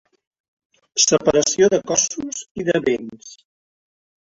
Separació de cossos i de béns.